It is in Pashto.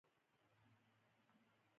لنډمهاله پلانونه ګټه نه لري.